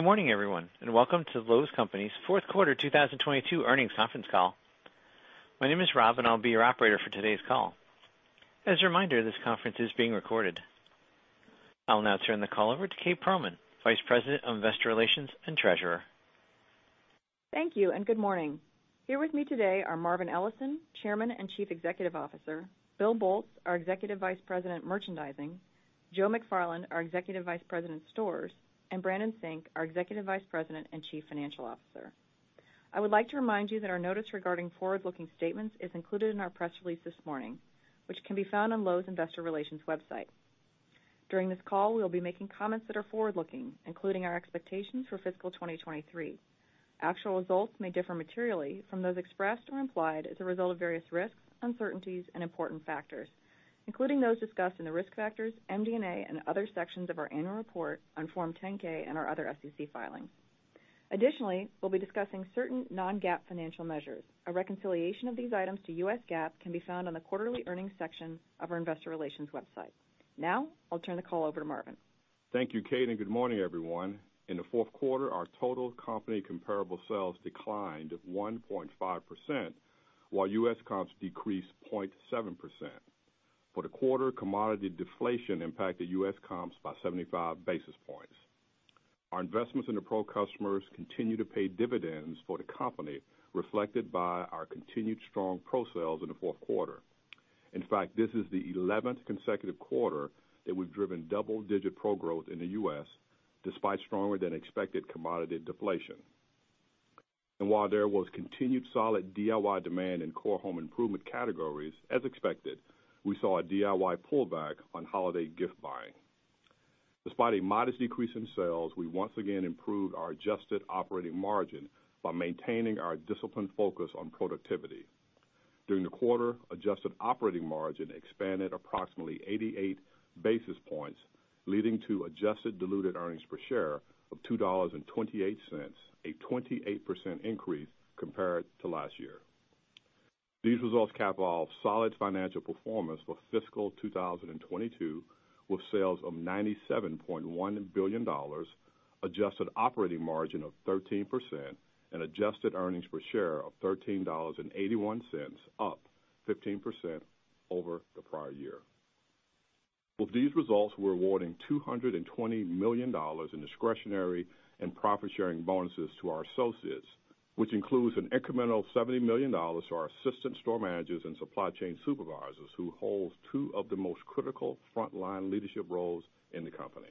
Welcome to Lowe's Companies' fourth quarter 2022 earnings conference call. My name is Rob. I'll be your operator for today's call. As a reminder, this conference is being recorded. I'll now turn the call over to Kate Pearlman, Vice President of Investor Relations and Treasurer. Thank you. Good morning. Here with me today are Marvin Ellison, Chairman and Chief Executive Officer, Bill Boltz, our Executive Vice President, Merchandising, Joe McFarland, our Executive Vice President, Stores, and Brandon Sink, our Executive Vice President and Chief Financial Officer. I would like to remind you that our notice regarding forward-looking statements is included in our press release this morning, which can be found on Lowe's Investor Relations website. During this call, we will be making comments that are forward-looking, including our expectations for fiscal 2023. Actual results may differ materially from those expressed or implied as a result of various risks, uncertainties, and important factors, including those discussed in the risk factors, MD&A, and other sections of our annual report on Form 10-K and our other SEC filings. Additionally, we'll be discussing certain non-GAAP financial measures. A reconciliation of these items to US GAAP can be found on the quarterly earnings section of our investor relations website. Now, I'll turn the call over to Marvin. Thank you, Kate. Good morning, everyone. In the fourth quarter, our total company comparable sales declined 1.5%, while US comps decreased 0.7%. For the quarter, commodity deflation impacted US comps by 75 basis points. Our investments in the Pro customers continue to pay dividends for the company, reflected by our continued strong Pro sales in the fourth quarter. In fact, this is the 11th consecutive quarter that we've driven double-digit Pro growth in the US despite stronger than expected commodity deflation. While there was continued solid DIY demand in core home improvement categories, as expected, we saw a DIY pullback on holiday gift buying. Despite a modest decrease in sales, we once again improved our adjusted operating margin by maintaining our disciplined focus on productivity. During the quarter, adjusted operating margin expanded approximately 88 basis points, leading to adjusted diluted earnings per share of $2.28, a 28% increase compared to last year. These results cap off solid financial performance for fiscal 2022, with sales of $97.1 billion, adjusted operating margin of 13%, and adjusted earnings per share of $13.81, up 15% over the prior year. With these results, we're awarding $220 million in discretionary and profit-sharing bonuses to our associates, which includes an incremental $70 million to our Assistant Store Managers and Supply Chain Supervisors, who hold two of the most critical frontline leadership roles in the company.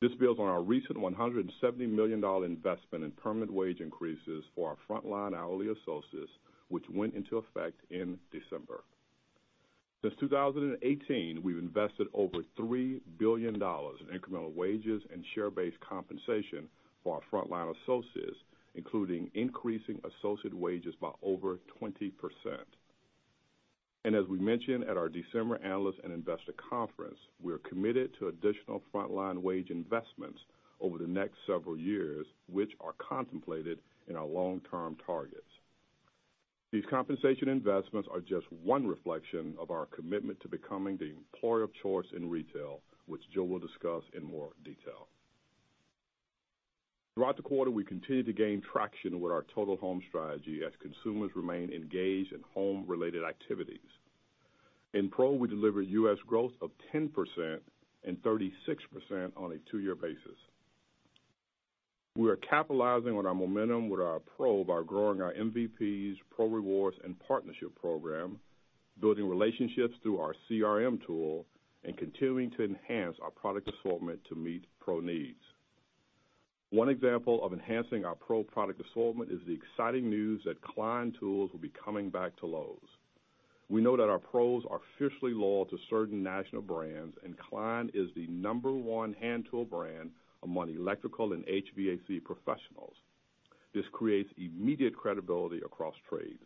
This builds on our recent $170 million investment in permanent wage increases for our frontline hourly associates, which went into effect in December. Since 2018, we've invested over $3 billion in incremental wages and share-based compensation for our frontline associates, including increasing associate wages by over 20%. As we mentioned at our December Analyst and Investor Conference, we are committed to additional frontline wage investments over the next several years, which are contemplated in our long-term targets. These compensation investments are just one reflection of our commitment to becoming the employer of choice in retail, which Joe will discuss in more detail. Throughout the quarter, we continued to gain traction with our total home strategy as consumers remain engaged in home-related activities. In Pro, we delivered US growth of 10% and 36% on a two-year basis. We are capitalizing on our momentum with our Pro by growing our MVPs, Pro Rewards, and Partnership Program, building relationships through our CRM tool, and continuing to enhance our product assortment to meet pro needs. One example of enhancing our pro product assortment is the exciting news that Klein Tools will be coming back to Lowe's. We know that our pros are fiercely loyal to certain national brands, and Klein is the number one hand tool brand among electrical and HVAC professionals. This creates immediate credibility across trades.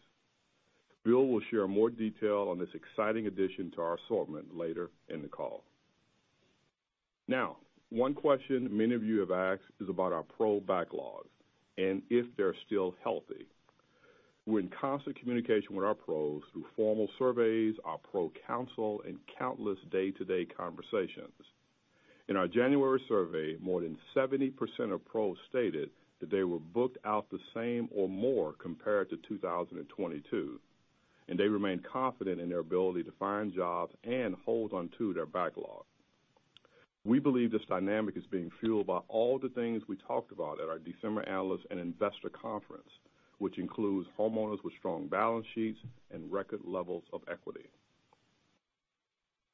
Bill will share more detail on this exciting addition to our assortment later in the call. One question many of you have asked is about our Pro backlogs and if they're still healthy. We're in constant communication with our pros through formal surveys, our Pro council, and countless day-to-day conversations. In our January survey, more than 70% of pros stated that they were booked out the same or more compared to 2022, and they remain confident in their ability to find jobs and hold on to their backlog. We believe this dynamic is being fueled by all the things we talked about at our December Analyst and Investor Conference, which includes homeowners with strong balance sheets and record levels of equity.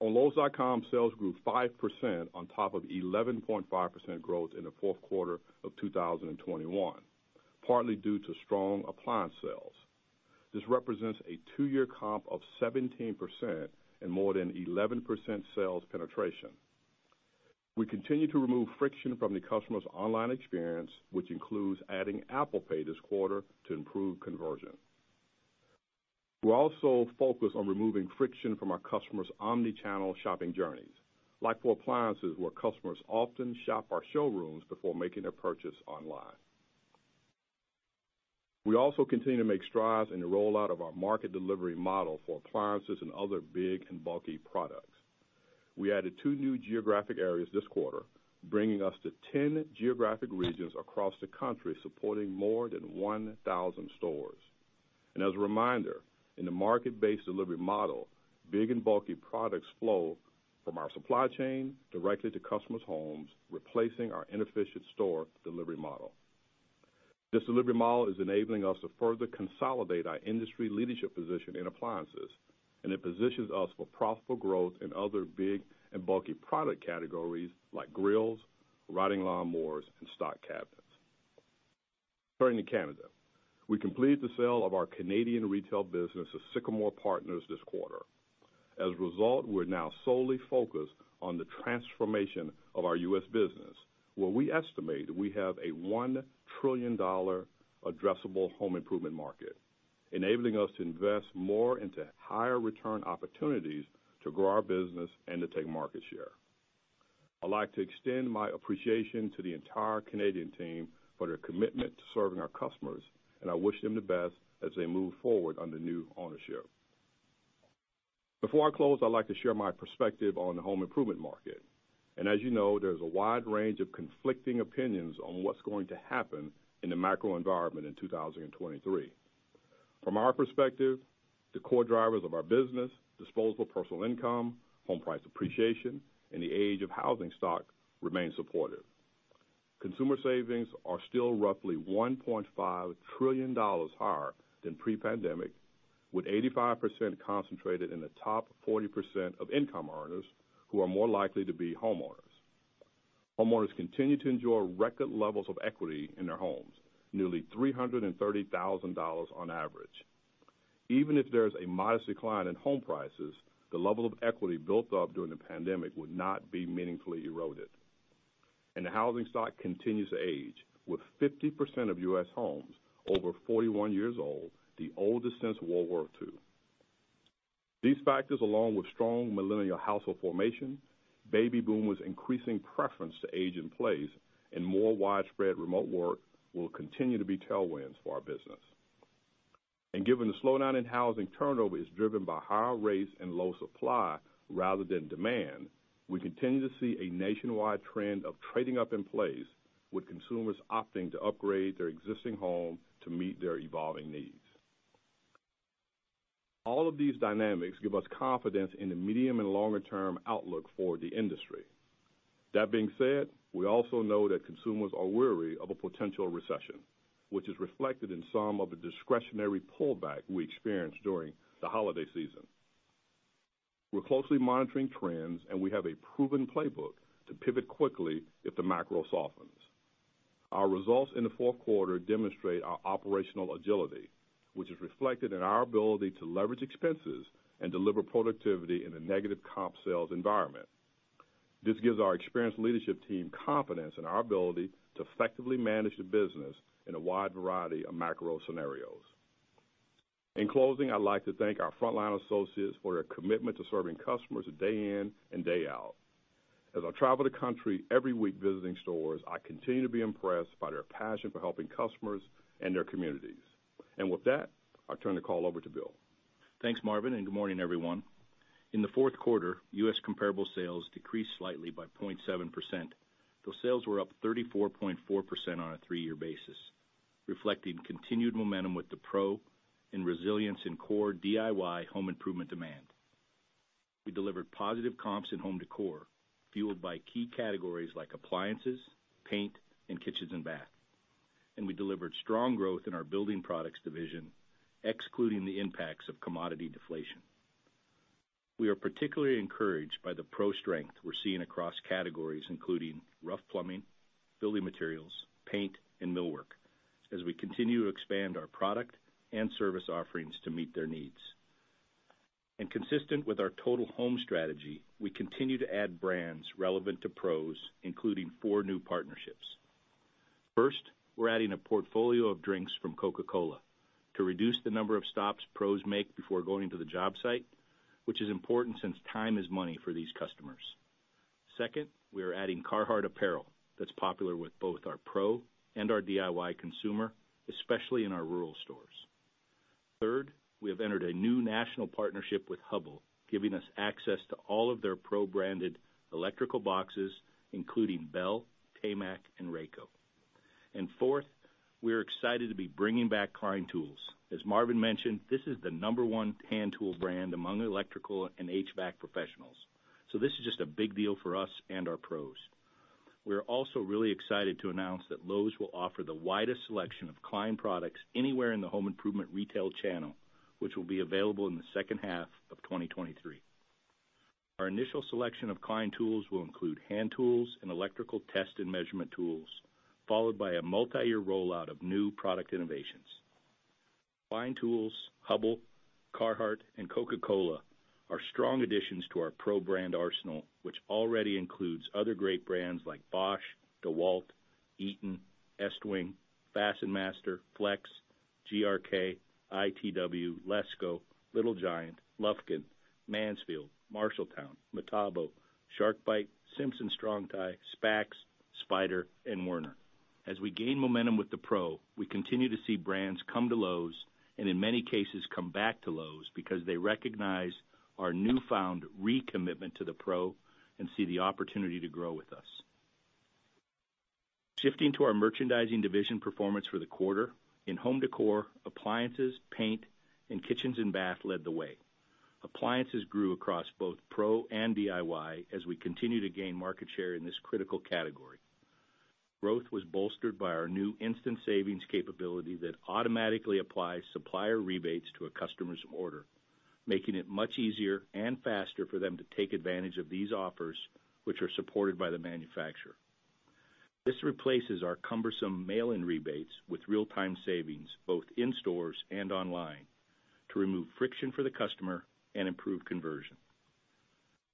On Lowes.com, sales grew 5% on top of 11.5% growth in Q4 2021, partly due to strong appliance sales. This represents a 2-year comp of 17% and more than 11% sales penetration. We continue to remove friction from the customer's online experience, which includes adding Apple Pay this quarter to improve conversion. We're also focused on removing friction from our customers' omnichannel shopping journeys, like for appliances, where customers often shop our showrooms before making a purchase online. We also continue to make strides in the rollout of our market delivery model for appliances and other big and bulky products. We added 2 new geographic areas this quarter, bringing us to 10 geographic regions across the country, supporting more than 1,000 stores. As a reminder, in the market-based delivery model, big and bulky products flow from our supply chain directly to customers' homes, replacing our inefficient store delivery model. This delivery model is enabling us to further consolidate our industry leadership position in appliances, it positions us for profitable growth in other big and bulky product categories like grills, riding lawn mowers, and stock cabinets. Turning to Canada. We completed the sale of our Canadian retail business to Sycamore Partners this quarter. As a result, we're now solely focused on the transformation of our US business, where we estimate we have a $1 trillion addressable home improvement market, enabling us to invest more into higher return opportunities to grow our business and to take market share. I'd like to extend my appreciation to the entire Canadian team for their commitment to serving our customers, and I wish them the best as they move forward under new ownership. Before I close, I'd like to share my perspective on the home improvement market. As you know, there's a wide range of conflicting opinions on what's going to happen in the macro environment in 2023. From our perspective, the core drivers of our business, disposable personal income, home price appreciation, and the age of housing stock, remain supportive. Consumer savings are still roughly $1.5 trillion higher than pre-pandemic, with 85% concentrated in the top 40% of income earners who are more likely to be homeowners. Homeowners continue to enjoy record levels of equity in their homes, nearly $330,000 on average. Even if there's a modest decline in home prices, the level of equity built up during the pandemic would not be meaningfully eroded. The housing stock continues to age, with 50% of US homes over 41 years old, the oldest since World War II. These factors, along with strong millennial household formation, baby boomers' increasing preference to age in place, and more widespread remote work, will continue to be tailwinds for our business. Given the slowdown in housing turnover is driven by higher rates and low supply rather than demand, we continue to see a nationwide trend of trading up in place, with consumers opting to upgrade their existing home to meet their evolving needs. All of these dynamics give us confidence in the medium and longer-term outlook for the industry. That being said, we also know that consumers are wary of a potential recession, which is reflected in some of the discretionary pullback we experienced during the holiday season. We're closely monitoring trends, and we have a proven playbook to pivot quickly if the macro softens. Our results in the fourth quarter demonstrate our operational agility, which is reflected in our ability to leverage expenses and deliver productivity in a negative comp sales environment. This gives our experienced leadership team confidence in our ability to effectively manage the business in a wide variety of macro scenarios. In closing, I'd like to thank our frontline associates for their commitment to serving customers day in and day out. As I travel the country every week visiting stores, I continue to be impressed by their passion for helping customers and their communities. With that, I'll turn the call over to Bill. Thanks, Marvin, and good morning, everyone. In the fourth quarter, U.S. comparable sales decreased slightly by 0.7%, though sales were up 34.4% on a three-year basis, reflecting continued momentum with the pro and resilience in core DIY home improvement demand. We delivered positive comps in Home Decor, fueled by key categories like appliances, paint, and kitchens and bath. We delivered strong growth in our Building Products division, excluding the impacts of commodity deflation. We are particularly encouraged by the pro strength we're seeing across categories including rough plumbing, building materials, paint, and millwork as we continue to expand our product and service offerings to meet their needs. Consistent with our total home strategy, we continue to add brands relevant to pros, including four new partnerships. We're adding a portfolio of drinks from Coca-Cola to reduce the number of stops Pros make before going to the job site, which is important since time is money for these customers. We are adding Carhartt apparel that's popular with both our Pro and our DIY consumer, especially in our rural stores. We have entered a new national partnership with Hubbell, giving us access to all of their pro-branded electrical boxes, including BELL, TayMac, and RACO. We are excited to be bringing back Klein Tools. As Marvin mentioned, this is the number one hand tool brand among electrical and HVAC professionals, this is just a big deal for us and our Pros. We are also really excited to announce that Lowe's will offer the widest selection of Klein products anywhere in the home improvement retail channel, which will be available in the second half of 2023. Our initial selection of Klein Tools will include hand tools and electrical test and measurement tools, followed by a multiyear rollout of new product innovations. Klein Tools, Hubbell, Carhartt, and Coca-Cola are strong additions to our Pro brand arsenal, which already includes other great brands like Bosch, DEWALT, Eaton, Estwing, FastenMaster, FLEX, GRK, ITW, LESCO, Little Giant, Lufkin, Mansfield, Marshalltown, Metabo HPT, SharkBite, Simpson Strong-Tie, SPAX, Spider and Werner. As we gain momentum with the pro, we continue to see brands come to Lowe's and in many cases, come back to Lowe's because they recognize our newfound recommitment to the pro and see the opportunity to grow with us. Shifting to our merchandising division performance for the quarter. In home decor, appliances, paint, and kitchens and bath led the way. Appliances grew across both pro and DIY as we continue to gain market share in this critical category. Growth was bolstered by our new instant savings capability that automatically applies supplier rebates to a customer's order, making it much easier and faster for them to take advantage of these offers, which are supported by the manufacturer. This replaces our cumbersome mail-in rebates with real-time savings, both in stores and online, to remove friction for the customer and improve conversion.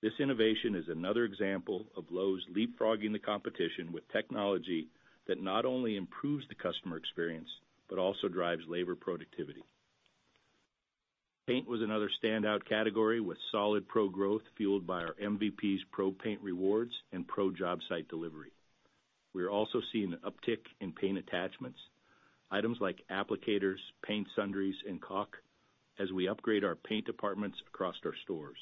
This innovation is another example of Lowe's leapfrogging the competition with technology that not only improves the customer experience but also drives labor productivity. Paint was another standout category with solid Pro-growth, fueled by our MVPs Pro Rewards and Pro job site delivery. We are also seeing an uptick in paint attachments, items like applicators, paint sundries, and caulk as we upgrade our paint departments across our stores.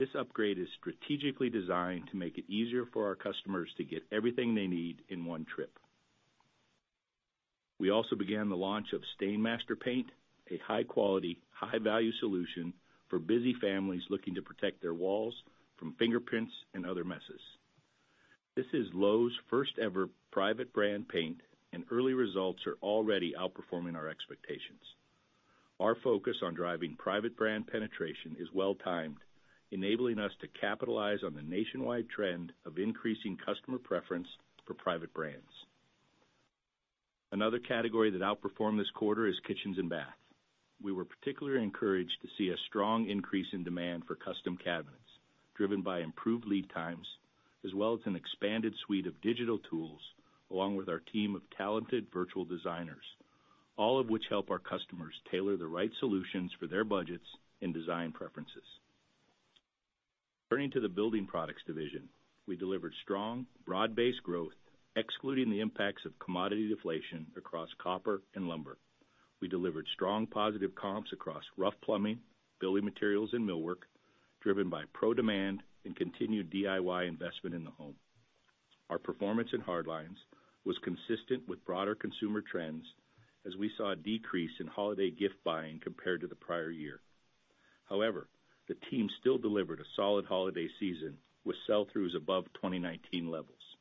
This upgrade is strategically designed to make it easier for our customers to get everything they need in one trip. We also began the launch of STAINMASTER Paint, a high-quality, high-value solution for busy families looking to protect their walls from fingerprints and other messes. This is Lowe's first-ever private brand paint, and early results are already outperforming our expectations. Our focus on driving private brand penetration is well-timed, enabling us to capitalize on the nationwide trend of increasing customer preference for private brands. Another category that outperformed this quarter is kitchens and bath. We were particularly encouraged to see a strong increase in demand for custom cabinets driven by improved lead times, as well as an expanded suite of digital tools, along with our team of talented virtual designers, all of which help our customers tailor the right solutions for their budgets and design preferences. Turning to the building products division, we delivered strong, broad-based growth, excluding the impacts of commodity deflation across copper and lumber. We delivered strong positive comps across rough plumbing, building materials and millwork, driven by pro demand and continued DIY investment in the home. Our performance in hard lines was consistent with broader consumer trends as we saw a decrease in holiday gift buying compared to the prior year. The team still delivered a solid holiday season with sell-throughs above 2019 levels.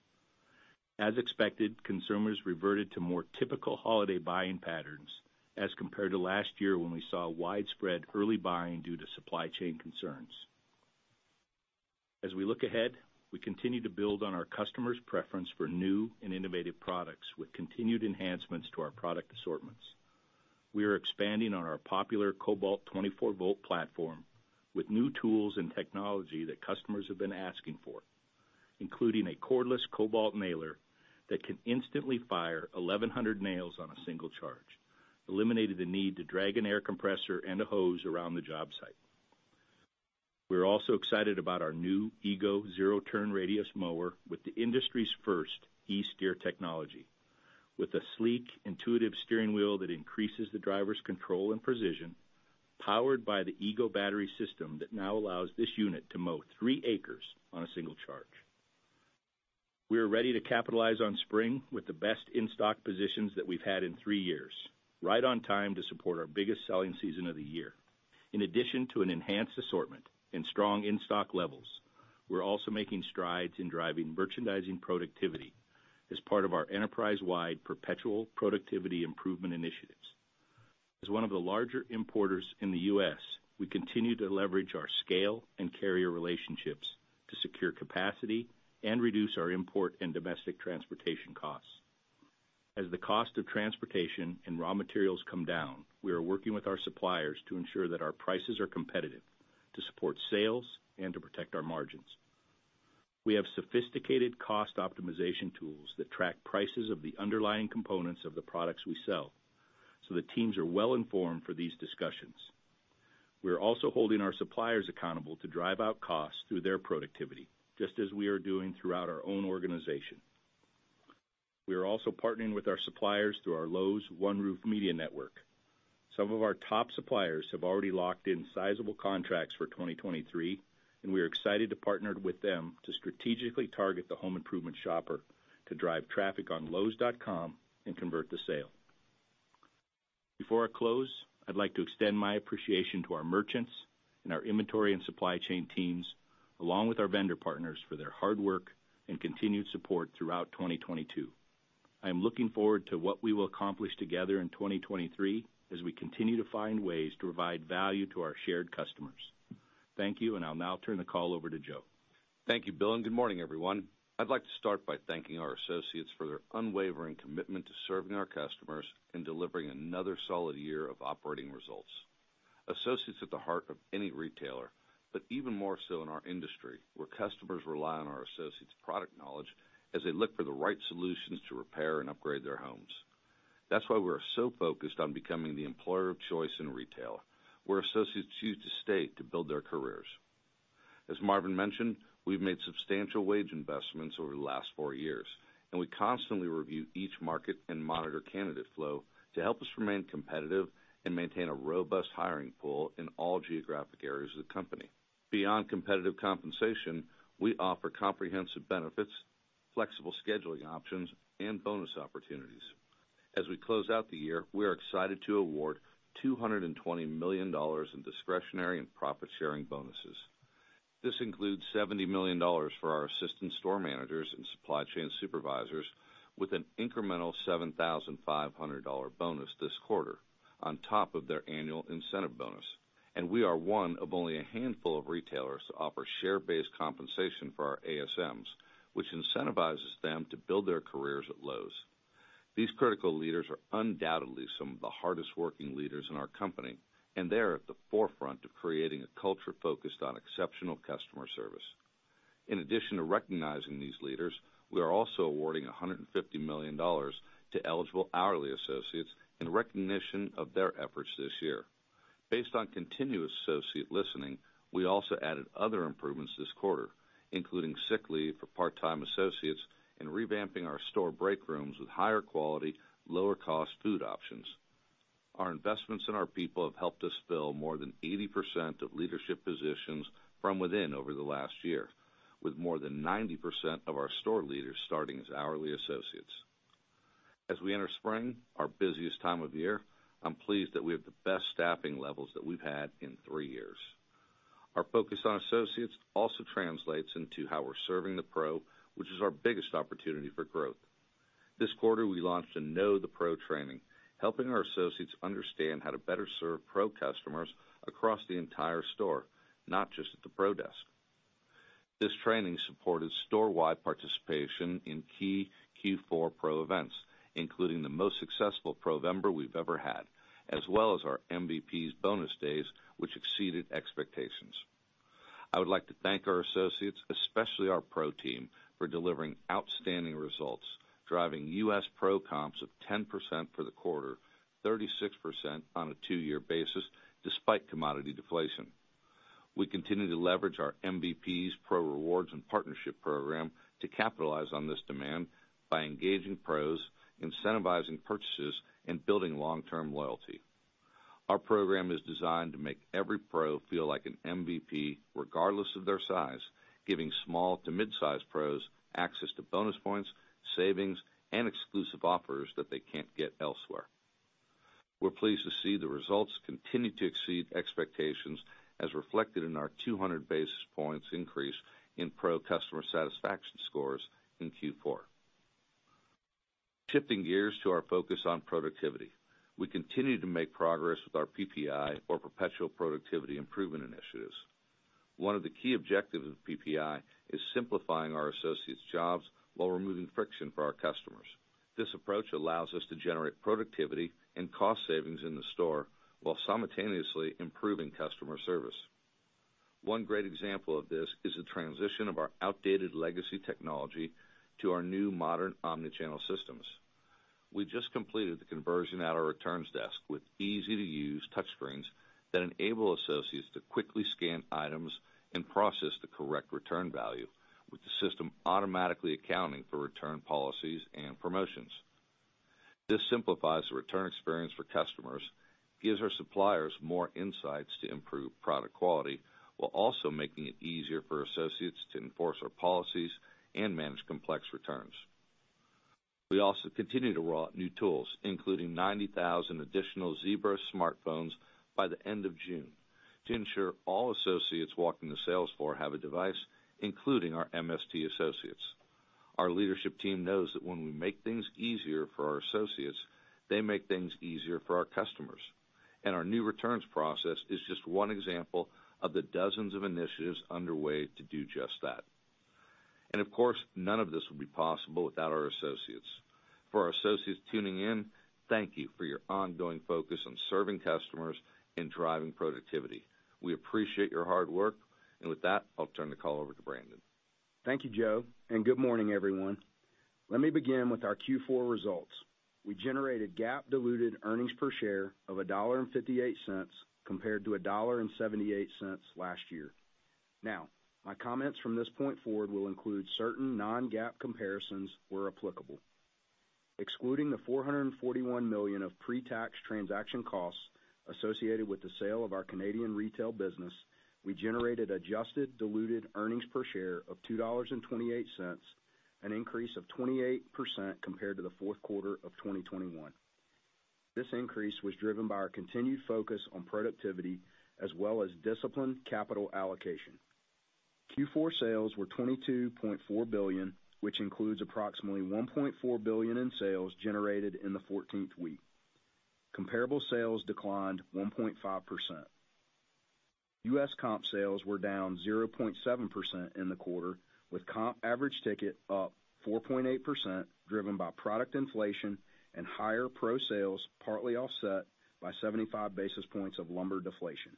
As expected, consumers reverted to more typical holiday buying patterns as compared to last year when we saw widespread early buying due to supply chain concerns. We look ahead, we continue to build on our customers' preference for new and innovative products with continued enhancements to our product assortments. We are expanding on our popular Kobalt 24 Volt platform with new tools and technology that customers have been asking for, including a cordless Kobalt Nailer that can instantly fire 1,100 nails on a single charge, eliminating the need to drag an air compressor and a hose around the job site. We're also excited about our new EGO Zero Turn Radius mower with the industry's first e-STEER technology. With a sleek, intuitive steering wheel that increases the driver's control and precision, powered by the EGO battery system that now allows this unit to mow 3 acres on a single charge. We are ready to capitalize on spring with the best in-stock positions that we've had in 3 years, right on time to support our biggest selling season of the year. In addition to an enhanced assortment and strong in-stock levels, we're also making strides in driving merchandising productivity as part of our enterprise-wide perpetual productivity improvement initiatives. As one of the larger importers in the U.S., we continue to leverage our scale and carrier relationships to secure capacity and reduce our import and domestic transportation costs. As the cost of transportation and raw materials come down, we are working with our suppliers to ensure that our prices are competitive to support sales and to protect our margins. We have sophisticated cost optimization tools that track prices of the underlying components of the products we sell, so the teams are well-informed for these discussions. We are also holding our suppliers accountable to drive out costs through their productivity, just as we are doing throughout our own organization. We are also partnering with our suppliers through our Lowe's One Roof Media Network. Some of our top suppliers have already locked in sizable contracts for 2023, and we are excited to partner with them to strategically target the home improvement shopper to drive traffic on Lowes.com and convert the sale. Before I close, I'd like to extend my appreciation to our merchants and our inventory and supply chain teams, along with our vendor partners, for their hard work and continued support throughout 2022. I am looking forward to what we will accomplish together in 2023 as we continue to find ways to provide value to our shared customers. Thank you. I'll now turn the call over to Joe. Thank you, Bill, and good morning, everyone. I'd like to start by thanking our associates for their unwavering commitment to serving our customers and delivering another solid year of operating results. Associates at the heart of any retailer, but even more so in our industry, where customers rely on our associates' product knowledge as they look for the right solutions to repair and upgrade their homes. That's why we're so focused on becoming the employer of choice in retail, where associates choose to stay to build their careers. As Marvin mentioned, we've made substantial wage investments over the last four years, and we constantly review each market and monitor candidate flow to help us remain competitive and maintain a robust hiring pool in all geographic areas of the company. Beyond competitive compensation, we offer comprehensive benefits, flexible scheduling options, and bonus opportunities. As we close out the year, we are excited to award $220 million in discretionary and profit-sharing bonuses. This includes $70 million for our assistant store managers and supply chain supervisors with an incremental $7,500 bonus this quarter on top of their annual incentive bonus. We are one of only a handful of retailers to offer share-based compensation for our ASMs, which incentivizes them to build their careers at Lowe's. These critical leaders are undoubtedly some of the hardest-working leaders in our company, and they're at the forefront of creating a culture focused on exceptional customer service. In addition to recognizing these leaders, we are also awarding $150 million to eligible hourly associates in recognition of their efforts this year. Based on continuous associate listening, we also added other improvements this quarter, including sick leave for part-time associates and revamping our store break rooms with higher quality, lower-cost food options. Our investments in our people have helped us fill more than 80% of leadership positions from within over the last year, with more than 90% of our store leaders starting as hourly associates. As we enter spring, our busiest time of year, I'm pleased that we have the best staffing levels that we've had in three years. Our focus on associates also translates into how we're serving the Pro, which is our biggest opportunity for growth. This quarter, we launched a Know the Pro training, helping our associates understand how to better serve Pro customers across the entire store, not just at the Pro desk. This training supported store-wide participation in key Q4 Pro events, including the most successful PROvember we've ever had, as well as our MVPs Bonus Days, which exceeded expectations. I would like to thank our associates, especially our Pro team, for delivering outstanding results, driving US Pro comps of 10% for the quarter, 36% on a two-year basis, despite commodity deflation. We continue to leverage our MVPs Pro Rewards and Partnership Program to capitalize on this demand by engaging Pros, incentivizing purchases, and building long-term loyalty. Our program is designed to make every Pro feel like an MVP, regardless of their size, giving small to mid-size Pros access to bonus points, savings, and exclusive offers that they can't get elsewhere. We're pleased to see the results continue to exceed expectations, as reflected in our 200 basis points increase in Pro customer satisfaction scores in Q4. Shifting gears to our focus on productivity. We continue to make progress with our PPI, or perpetual productivity improvement initiatives. One of the key objectives of PPI is simplifying our associates' jobs while removing friction for our customers. This approach allows us to generate productivity and cost savings in the store while simultaneously improving customer service. One great example of this is the transition of our outdated legacy technology to our new modern omnichannel systems. We just completed the conversion at our returns desk with easy-to-use touchscreens that enable associates to quickly scan items and process the correct return value, with the system automatically accounting for return policies and promotions. This simplifies the return experience for customers, gives our suppliers more insights to improve product quality, while also making it easier for associates to enforce our policies and manage complex returns. We also continue to roll out new tools, including 90,000 additional Zebra smartphones by the end of June to ensure all associates walking the sales floor have a device, including our MST associates. Our leadership team knows that when we make things easier for our associates, they make things easier for our customers. Our new returns process is just one example of the dozens of initiatives underway to do just that. Of course, none of this would be possible without our associates. For our associates tuning in, thank you for your ongoing focus on serving customers and driving productivity. We appreciate your hard work. With that, I'll turn the call over to Brandon. Thank you, Joe. Good morning, everyone. Let me begin with our Q4 results. We generated GAAP diluted earnings per share of $1.58 compared to $1.78 last year. My comments from this point forward will include certain non-GAAP comparisons where applicable. Excluding the $441 million of pre-tax transaction costs associated with the sale of our Canadian retail business, we generated adjusted diluted earnings per share of $2.28, an increase of 28% compared to the fourth quarter of 2021. This increase was driven by our continued focus on productivity as well as disciplined capital allocation. Q4 sales were $22.4 billion, which includes approximately $1.4 billion in sales generated in the 14th week. Comparable sales declined 1.5%. US comp sales were down 0.7% in the quarter, with comp average ticket up 4.8%, driven by product inflation and higher Pro sales, partly offset by 75 basis points of lumber deflation.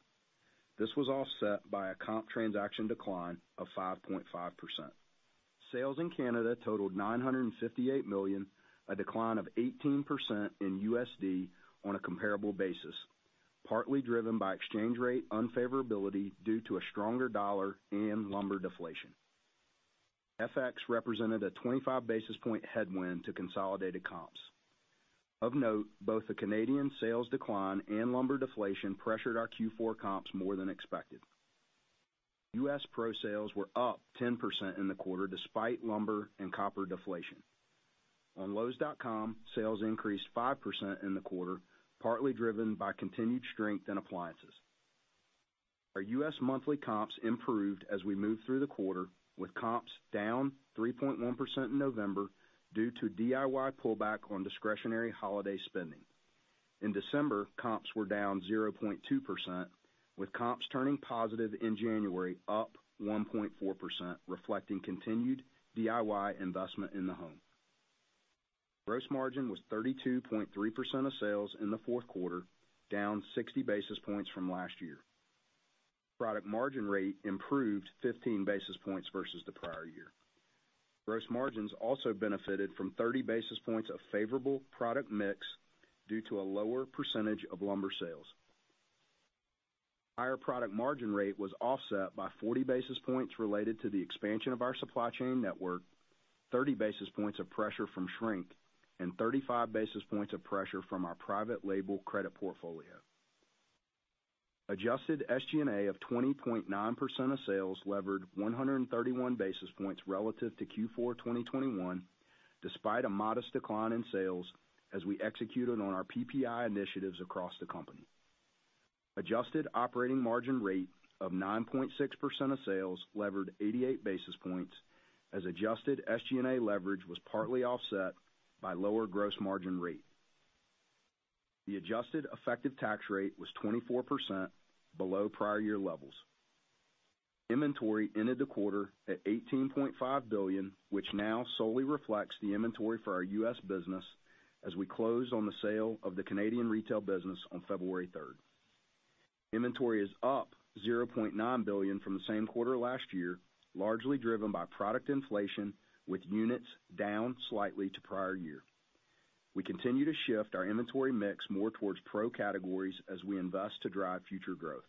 This was offset by a comp transaction decline of 5.5%. Sales in Canada totaled $958 million, a decline of 18% in USD on a comparable basis, partly driven by exchange rate unfavorability due to a stronger dollar and lumber deflation. FX represented a 25 basis point headwind to consolidated comps. Of note, both the Canadian sales decline and lumber deflation pressured our Q4 comps more than expected. US Pro sales were up 10% in the quarter despite lumber and copper deflation. On Lowes.com, sales increased 5% in the quarter, partly driven by continued strength in appliances. Our US monthly comps improved as we moved through the quarter, with comps down 3.1% in November due to DIY pullback on discretionary holiday spending. In December, comps were down 0.2%, with comps turning positive in January up 1.4%, reflecting continued DIY investment in the home. Gross margin was 32.3% of sales in the fourth quarter, down 60 basis points from last year. Product margin rate improved 15 basis points versus the prior year. Gross margins also benefited from 30 basis points of favorable product mix due to a lower percentage of lumber sales. Higher product margin rate was offset by 40 basis points related to the expansion of our supply chain network, 30 basis points of pressure from shrink, and 35 basis points of pressure from our private label credit portfolio. Adjusted SG&A of 20.9% of sales levered 131 basis points relative to Q4 2021, despite a modest decline in sales as we executed on our PPI initiatives across the company. Adjusted operating margin rate of 9.6% of sales levered 88 basis points as adjusted SG&A leverage was partly offset by lower gross margin rate. The adjusted effective tax rate was 24% below prior year levels. Inventory ended the quarter at $18.5 billion, which now solely reflects the inventory for our US business as we closed on the sale of the Canadian retail business on February 3rd. Inventory is up $0.9 billion from the same quarter last year, largely driven by product inflation, with units down slightly to prior year. We continue to shift our inventory mix more towards pro categories as we invest to drive future growth.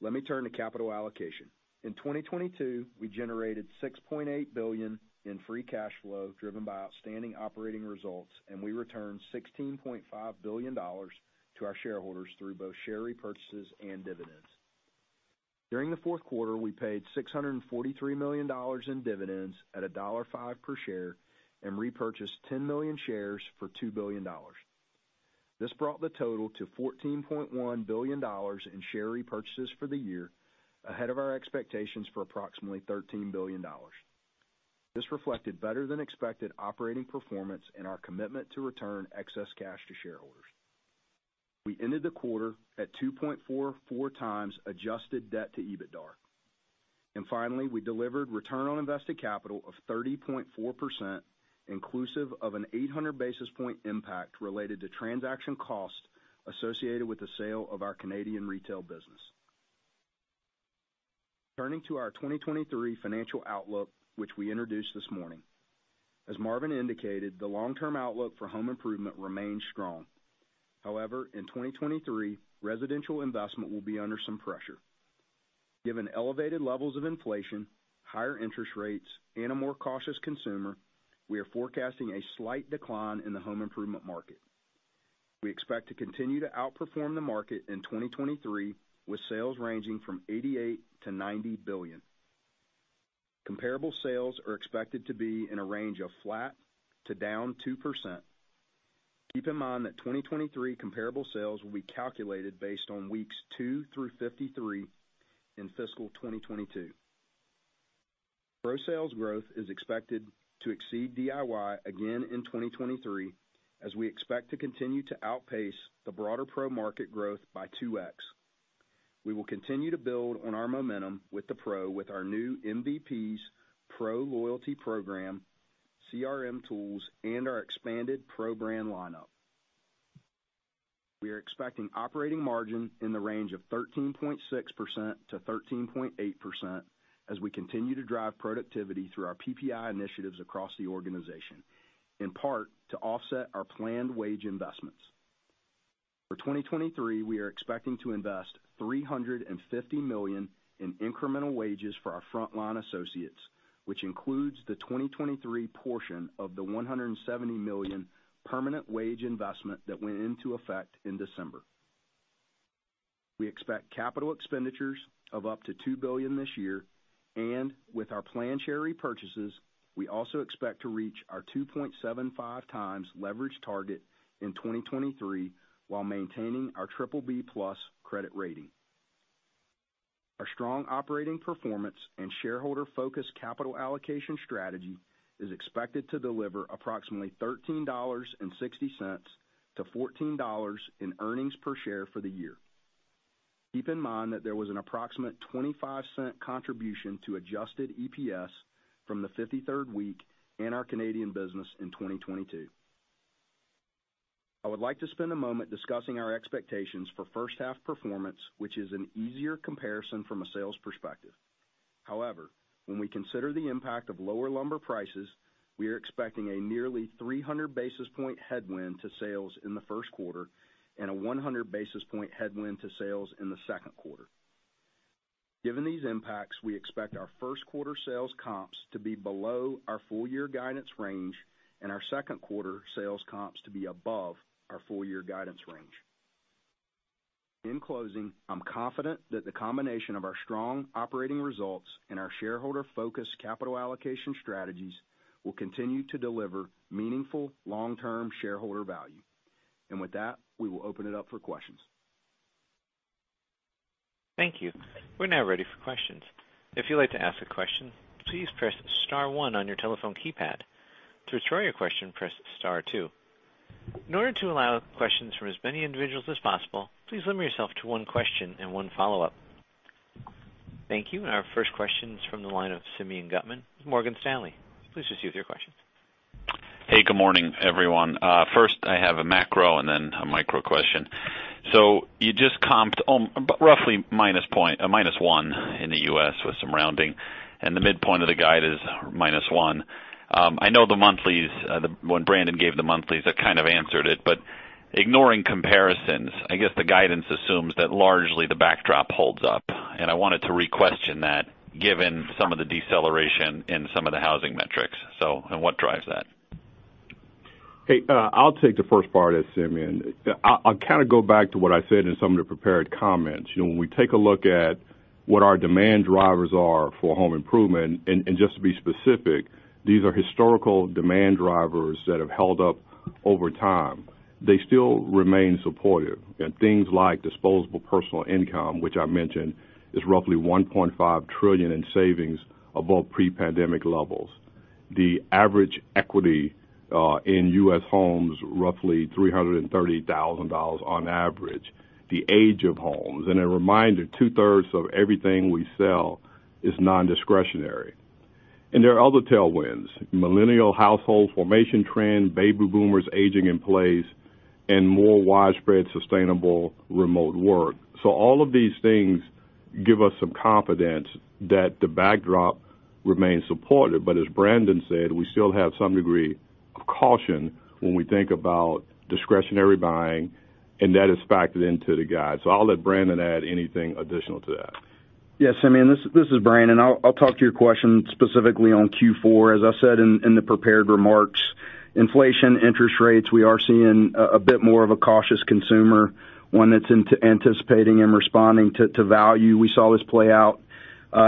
Let me turn to capital allocation. In 2022, we generated $6.8 billion in free cash flow driven by outstanding operating results, and we returned $16.5 billion to our shareholders through both share repurchases and dividends. During the fourth quarter, we paid $643 million in dividends at $1.05 per share and repurchased 10 million shares for $2 billion. This brought the total to $14.1 billion in share repurchases for the year, ahead of our expectations for approximately $13 billion. This reflected better than expected operating performance and our commitment to return excess cash to shareholders. We ended the quarter at 2.44x adjusted debt to EBITDA. Finally, we delivered return on invested capital of 30.4%, inclusive of an 800 basis point impact related to transaction cost associated with the sale of our Canadian retail business. Turning to our 2023 financial outlook, which we introduced this morning. As Marvin indicated, the long-term outlook for home improvement remains strong. However, in 2023, residential investment will be under some pressure. Given elevated levels of inflation, higher interest rates, and a more cautious consumer, we are forecasting a slight decline in the home improvement market. We expect to continue to outperform the market in 2023, with sales ranging from $88 billion-$90 billion. Comparable sales are expected to be in a range of flat to down 2%. Keep in mind that 2023 comparable sales will be calculated based on weeks 2 through 53 in fiscal 2022. Pro sales growth is expected to exceed DIY again in 2023, as we expect to continue to outpace the broader pro market growth by 2x. We will continue to build on our momentum with the pro with our new MVPs Pro Loyalty Program, CRM tools, and our expanded Pro brand lineup. We are expecting operating margin in the range of 13.6%-13.8% as we continue to drive productivity through our PPI initiatives across the organization, in part to offset our planned wage investments. For 2023, we are expecting to invest $350 million in incremental wages for our frontline associates, which includes the 2023 portion of the $170 million permanent wage investment that went into effect in December. We expect capital expenditures of up to $2 billion this year, and with our planned share repurchases, we also expect to reach our 2.75x leverage target in 2023 while maintaining our BBB+ credit rating. Our strong operating performance and shareholder focus capital allocation strategy is expected to deliver approximately $13.60-$14 in earnings per share for the year. Keep in mind that there was an approximate $0.25 contribution to adjusted EPS from the 53rd week in our Canadian business in 2022. I would like to spend a moment discussing our expectations for first half performance, which is an easier comparison from a sales perspective. However, when we consider the impact of lower lumber prices, we are expecting a nearly 300 basis point headwind to sales in the first quarter and a 100 basis point headwind to sales in the second quarter. Given these impacts, we expect our first quarter sales comps to be below our full year guidance range and our second quarter sales comps to be above our full year guidance range. In closing, I'm confident that the combination of our strong operating results and our shareholder focused capital allocation strategies will continue to deliver meaningful long-term shareholder value. With that, we will open it up for questions. Thank you. We're now ready for questions. If you'd like to ask a question, please press star one on your telephone keypad. To withdraw your question, press star two. In order to allow questions from as many individuals as possible, please limit yourself to one question and one follow-up. Thank you. Our first question is from the line of Simeon Gutman, Morgan Stanley. Please proceed with your question. Hey, good morning, everyone. First I have a macro and then a micro question. You just comped roughly -1% in the US with some rounding, and the midpoint of the guide is -1%. I know the monthlies, when Brandon gave the monthlies, that kind of answered it, but ignoring comparisons, I guess the guidance assumes that largely the backdrop holds up, and I wanted to re-question that given some of the deceleration in some of the housing metrics. What drives that? Hey, I'll take the first part of that, Simeon. I'll kind of go back to what I said in some of the prepared comments. When we take a look at what our demand drivers are for home improvement, and just to be specific, these are historical demand drivers that have held up over time. They still remain supportive in things like disposable personal income, which I mentioned is roughly $1.5 trillion in savings above pre-pandemic levels. The average equity in U.S. homes, roughly $330,000 on average, the age of homes, and a reminder, two-thirds of everything we sell is non-discretionary. There are other tailwinds, millennial household formation trend, baby boomers aging in place, and more widespread sustainable remote work. All of these things give us some confidence that the backdrop remains supportive. As Brandon said, we still have some degree of caution when we think about discretionary buying, and that is factored into the guide. I'll let Brandon add anything additional to that. Yes, Simeon, this is Brandon. I'll talk to your question specifically on Q4. As I said in the prepared remarks, inflation, interest rates, we are seeing a bit more of a cautious consumer, one that's anticipating and responding to value. We saw this play out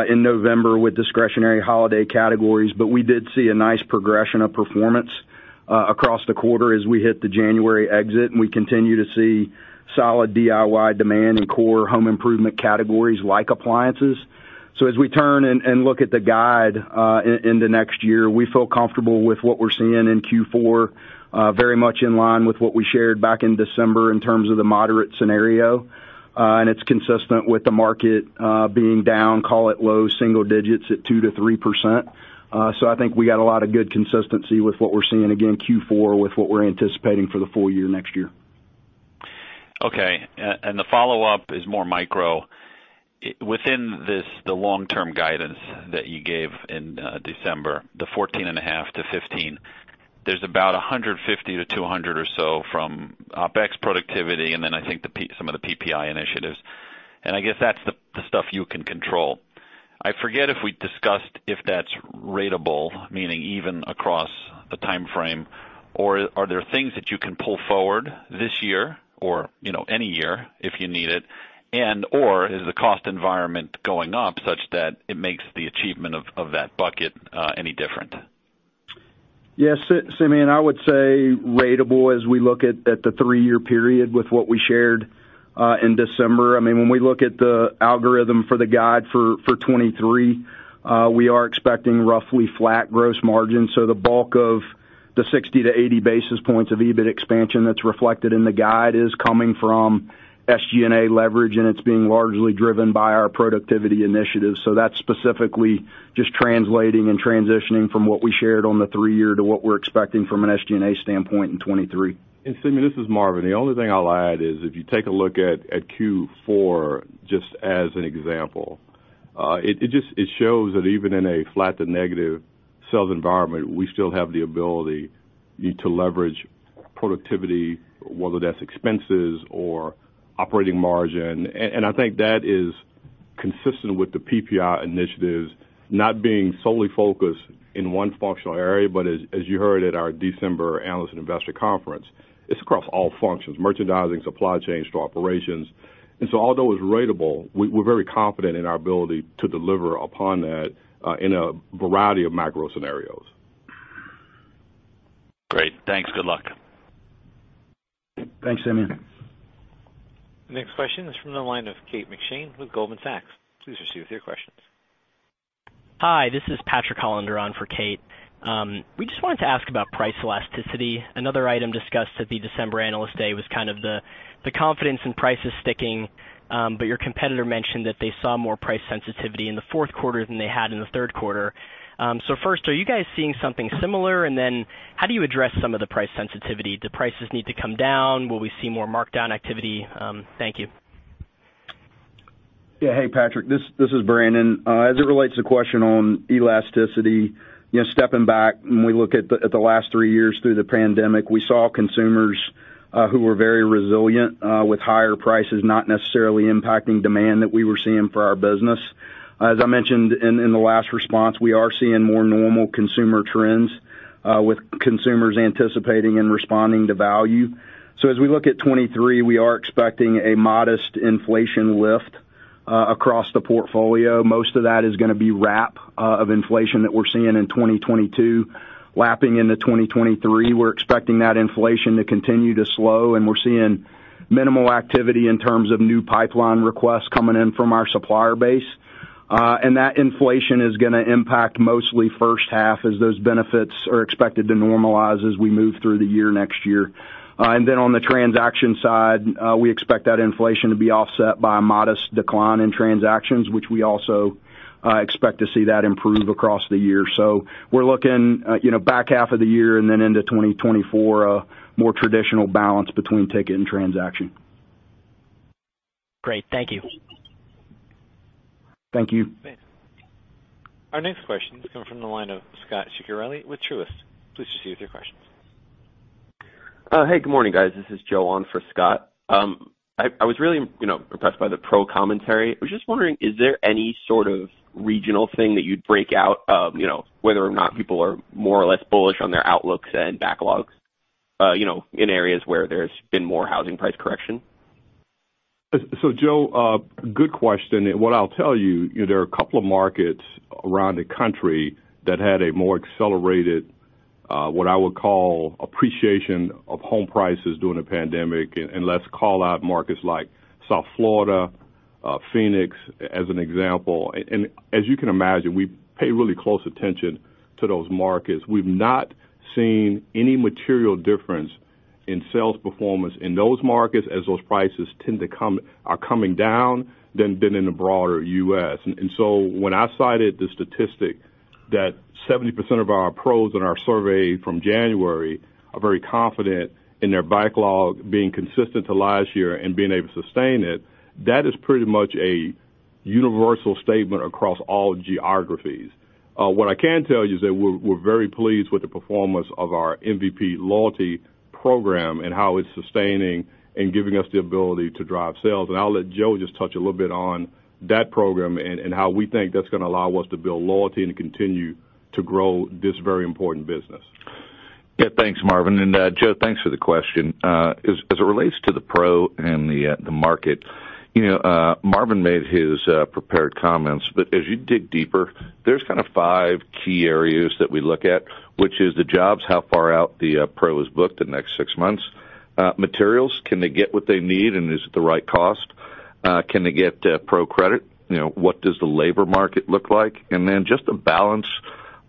in November with discretionary holiday categories, but we did see a nice progression of performance across the quarter as we hit the January exit, and we continue to see solid DIY demand in core home improvement categories like appliances. As we turn and look at the guide in the next year, we feel comfortable with what we're seeing in Q4, very much in line with what we shared back in December in terms of the moderate scenario. It's consistent with the market, being down, call it low single digits at 2%-3%. I think we got a lot of good consistency with what we're seeing, again, Q4, with what we're anticipating for the full year next year. Okay. The follow-up is more micro. Within this, the long-term guidance that you gave in December, the 14.5%-15%, there's about 150-200 basis points or so from OpEx productivity, and then I think some of the PPI initiatives, and I guess that's the stuff you can control. I forget if we discussed if that's ratable, meaning even across the time frame, or are there things that you can pull forward this year or, you know, any year if you need it, and/or is the cost environment going up such that it makes the achievement of that bucket any different? Yes, Simeon, I would say ratable as we look at the three-year period with what we shared in December. I mean, when we look at the algorithm for the guide for 2023, we are expecting roughly flat gross margin. The bulk of the 60 to 80 basis points of EBIT expansion that's reflected in the guide is coming from SG&A leverage, and it's being largely driven by our productivity initiatives. That's specifically just translating and transitioning from what we shared on the three year to what we're expecting from an SG&A standpoint in 2023. Simeon, this is Marvin. The only thing I'll add is if you take a look at Q4, just as an example, it just shows that even in a flat to negative sales environment, we still have the ability to leverage productivity, whether that's expenses or operating margin. I think that is consistent with the PPI initiatives not being solely focused in one functional area, but as you heard at our December Analyst and Investor Conference, it's across all functions, merchandising, supply chain, to operations. Although it's ratable, we're very confident in our ability to deliver upon that in a variety of macro scenarios. Great. Thanks. Good luck. Thanks, Simeon. The next question is from the line of Kate McShane with Goldman Sachs. Please proceed with your questions. Hi, this is Patrick Hollander on for Kate. We just wanted to ask about price elasticity. Another item discussed at the December Analyst Day was the confidence in prices sticking. Your competitor mentioned that they saw more price sensitivity in the fourth quarter than they had in the third quarter. First, are you guys seeing something similar? How do you address some of the price sensitivity? Do prices need to come down? Will we see more markdown activity? Thank you. Yeah. Hey, Patrick, this is Brandon. As it relates to the question on elasticity, you know, stepping back when we look at the last three years through the pandemic, we saw consumers who were very resilient with higher prices, not necessarily impacting demand that we were seeing for our business. As I mentioned in the last response, we are seeing more normal consumer trends with consumers anticipating and responding to value. As we look at 2023, we are expecting a modest inflation lift across the portfolio. Most of that is going to be wrap of inflation that we're seeing in 2022 lapping into 2023. We're expecting that inflation to continue to slow, and we're seeing minimal activity in terms of new pipeline requests coming in from our supplier base. That inflation is gonna impact mostly first half as those benefits are expected to normalize as we move through the year next year. On the transaction side, we expect that inflation to be offset by a modest decline in transactions, which we also expect to see that improve across the year. We're looking, you know, back half of the year and then into 2024, a more traditional balance between ticket and transaction. Great. Thank you. Thank you. Our next question is coming from the line of Scot Ciccarelli with Truist. Please proceed with your question. Hey, good morning, guys. This is Joe on for Scott. I was really, you know, impressed by the Pro commentary. I was just wondering, is there any sort of regional thing that you'd break out of, you know, whether or not people are more or less bullish on their outlooks and backlogs, you know, in areas where there's been more housing price correction? Joe, good question. What I'll tell you know, there are a couple of markets around the country that had a more accelerated, what I would call appreciation of home prices during the pandemic, and let's call out markets like South Florida, Phoenix as an example. As you can imagine, we pay really close attention to those markets. We've not seen any material difference in sales performance in those markets as those prices are coming down than in the broader U.S. When I cited the statistic that 70% of our Pros in our survey from January are very confident in their backlog being consistent to last year and being able to sustain it, that is pretty much a universal statement across all geographies. What I can tell you is that we're very pleased with the performance of our MVPs Pro Loyalty Program and how it's sustaining and giving us the ability to drive sales. I'll let Joe just touch a little bit on that program and how we think that's gonna allow us to build loyalty and to continue to grow this very important business. Yeah. Thanks, Marvin. Joe, thanks for the question. As it relates to the Pro and the market, you know, Marvin made his prepared comments, but as you dig deeper, there's kind of five key areas that we look at, which is the jobs, how far out the Pro is booked the next six months. Materials, can they get what they need, and is it the right cost? Can they get Pro credit? You know, what does the labor market look like? Then just a balance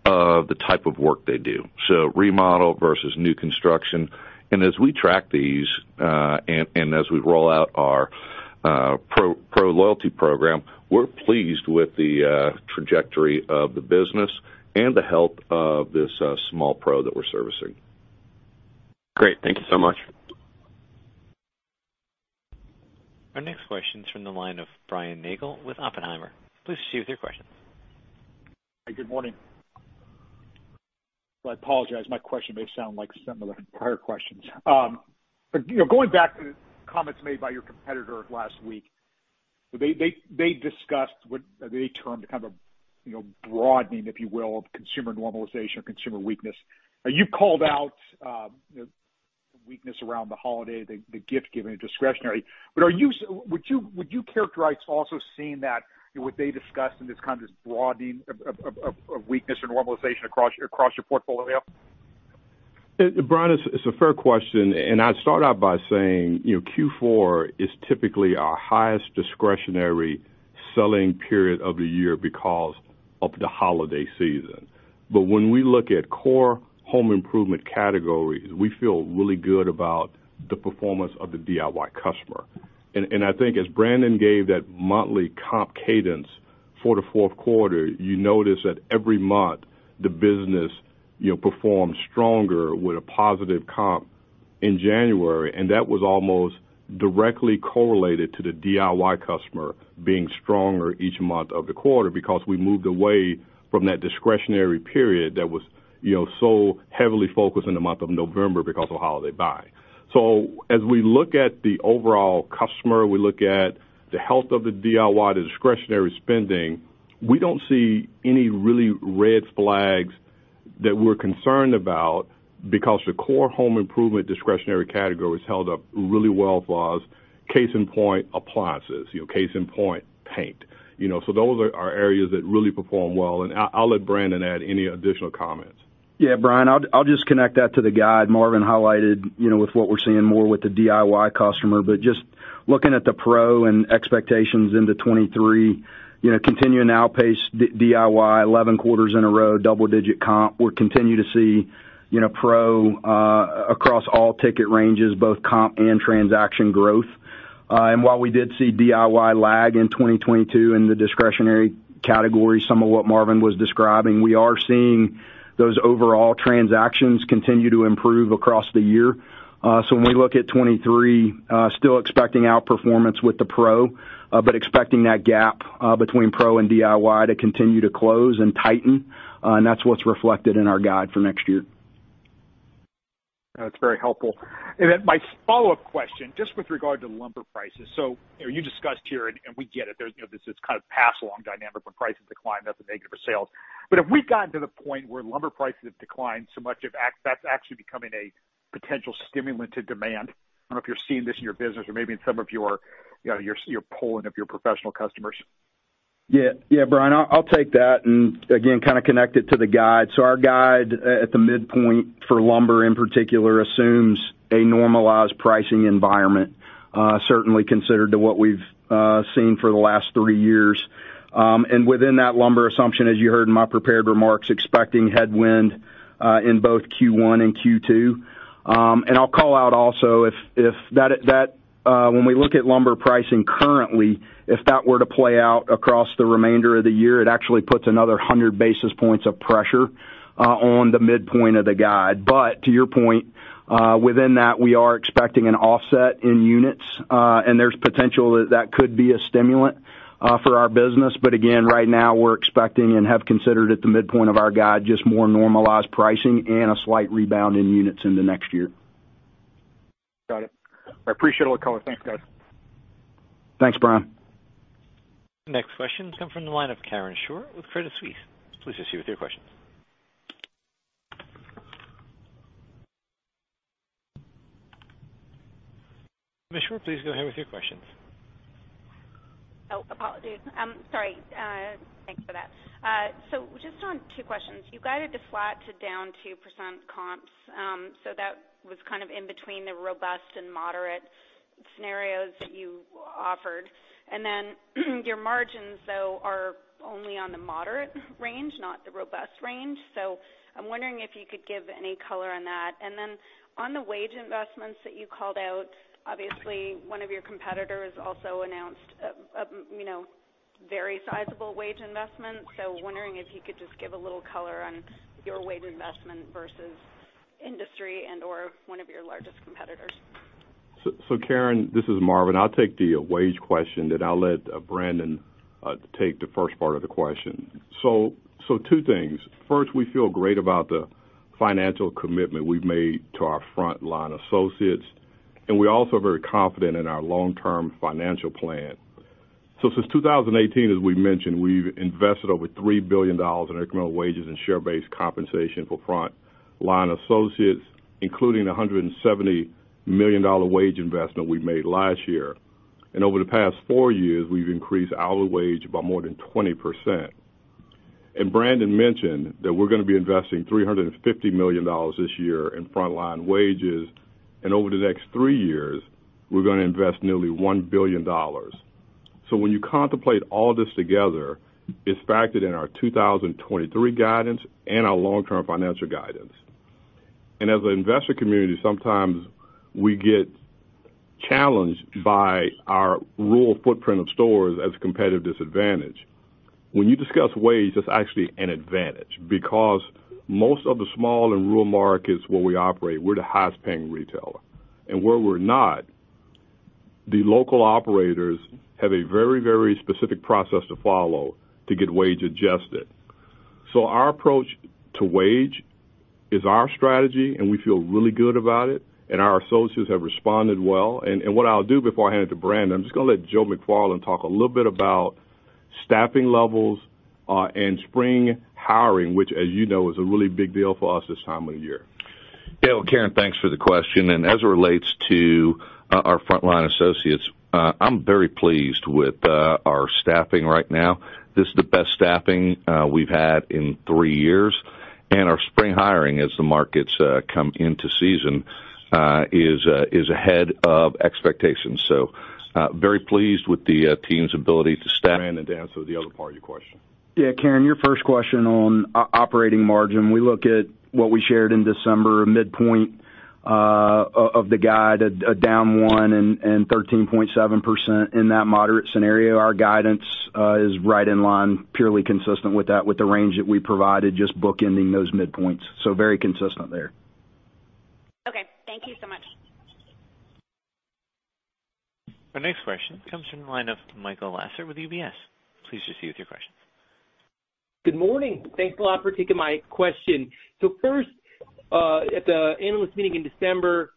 of the type of work they do, so remodel versus new construction. As we track these, as we roll out our Pro loyalty program, we're pleased with the trajectory of the business and the health of this small Pro that we're servicing. Great. Thank you so much. Our next question is from the line of Brian Nagel with Oppenheimer. Please proceed with your question. Hey, good morning. I apologize, my question may sound like similar to prior questions. You know, going back to comments made by your competitor last week, they discussed what they termed kind of, you know, broadening, if you will, of consumer normalization or consumer weakness. Now, you called out weakness around the holiday, the gift giving and discretionary, would you characterize also seeing that, what they discussed in this kind of this broadening of weakness or normalization across your portfolio? Brian, it's a fair question. I'd start out by saying, you know, Q4 is typically our highest discretionary selling period of the year because of the holiday season. When we look at core home improvement categories, we feel really good about the performance of the DIY customer. I think as Brandon gave that monthly comp cadence for the fourth quarter, you notice that every month the business, you know, performed stronger with a positive comp in January. That was almost directly correlated to the DIY customer being stronger each month of the quarter because we moved away from that discretionary period that was, you know, so heavily focused in the month of November because of holiday buy. As we look at the overall customer, we look at the health of the DIY, the discretionary spending, we don't see any really red flags that we're concerned about because the core home improvement discretionary category has held up really well for us. Case in point, appliances. You know, case in point, paint. You know, those are areas that really perform well, and I'll let Brandon add any additional comments. Yeah, Brian, I'll just connect that to the guide Marvin highlighted, you know, with what we're seeing more with the DIY customer. Just looking at the Pro and expectations into 2023, you know, continuing to outpace DIY 11 quarters in a row, double digit comp. We're continuing to see, you know, Pro across all ticket ranges, both comp and transaction growth. While we did see DIY lag in 2022 in the discretionary category, some of what Marvin was describing, we are seeing those overall transactions continue to improve across the year. When we look at 2023, still expecting outperformance with the Pro, but expecting that gap between Pro and DIY to continue to close and tighten, and that's what's reflected in our guide for next year. No, it's very helpful. Then my follow-up question, just with regard to lumber prices. You know, you discussed here and we get it. There's, you know, this is kind of pass along dynamic when prices decline, that's a negative for sales. Have we gotten to the point where lumber prices have declined so much that's actually becoming a potential stimulant to demand? I don't know if you're seeing this in your business or maybe in some of your, you know, your polling of your professional customers. Yeah. Yeah, Brian, I'll take that and again, kind of connect it to the guide. Our guide at the midpoint for lumber in particular assumes a normalized pricing environment, certainly considered to what we've seen for the last three years. Within that lumber assumption, as you heard in my prepared remarks, expecting headwind in both Q1 and Q2. I'll call out also if that, when we look at lumber pricing currently, if that were to play out across the remainder of the year, it actually puts another 100 basis points of pressure on the midpoint of the guide. To your point, within that, we are expecting an offset in units, and there's potential that that could be a stimulant for our business. Again, right now we're expecting and have considered at the midpoint of our guide, just more normalized pricing and a slight rebound in units into next year. Got it. I appreciate all the color. Thanks, guys. Thanks, Brian. Next question come from the line of Karen Short with Credit Suisse. Please proceed with your questions. Ms. Short, please go ahead with your questions. Oh, apologies. Sorry. Thanks for that. Just on two questions. You guided the flat to down 2% comps, so that was kind of in between the robust and moderate scenarios that you offered. Your margins, though, are only on the moderate range, not the robust range. I'm wondering if you could give any color on that. Then on the wage investments that you called out, obviously one of your competitors also announced a, you know, very sizable wage investment. Wondering if you could just give a little color on your wage investment versus industry and/or one of your largest competitors? Karen Short, this is Marvin Ellison. I'll take the wage question, then I'll let Brandon Sink take the first part of the question. 2 things. First, we feel great about the financial commitment we've made to our frontline associates, and we're also very confident in our long-term financial plan. Since 2018, as we mentioned, we've invested over $3 billion in incremental wages and share-based compensation for frontline associates, including the $170 million wage investment we made last year. Over the past 4 years, we've increased hourly wage by more than 20%. Brandon mentioned that we're gonna be investing $350 million this year in frontline wages. Over the next 3 years, we're gonna invest nearly $1 billion. When you contemplate all this together, it's factored in our 2023 guidance and our long-term financial guidance. As an investor community, sometimes we get challenged by our rural footprint of stores as a competitive disadvantage. When you discuss wage, that's actually an advantage because most of the small and rural markets where we operate, we're the highest paying retailer. Where we're not, the local operators have a very, very specific process to follow to get wage adjusted. Our approach to wage is our strategy, and we feel really good about it, and our associates have responded well. What I'll do before I hand it to Brandon, I'm just gonna let Joe McFarland talk a little bit about staffing levels and spring hiring, which as you know, is a really big deal for us this time of year. Yeah. Well, Karen, thanks for the question. As it relates to our frontline associates, I'm very pleased with our staffing right now. This is the best staffing we've had in three years, and our spring hiring as the markets come into season is ahead of expectations. Very pleased with the team's ability to staff. Brandon, to answer the other part of your question. Yeah, Karen, your first question on operating margin. We look at what we shared in December, a midpoint of the guide, a down 1 and 13.7% in that moderate scenario. Our guidance is right in line, purely consistent with that, with the range that we provided, just bookending those midpoints. Very consistent there. Okay. Thank you so much. Our next question comes from the line of Michael Lasser with UBS. Please proceed with your questions. Good morning. Thanks a lot for taking my question. First, at the analyst meeting in December,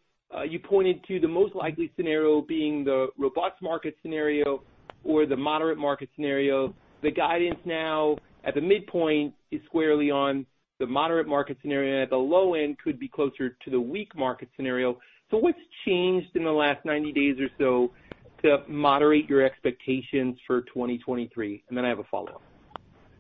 you pointed to the most likely scenario being the robust market scenario or the moderate market scenario. The guidance now at the midpoint is squarely on the moderate market scenario, and at the low end could be closer to the weak market scenario. What's changed in the last 90 days or so to moderate your expectations for 2023? Then I have a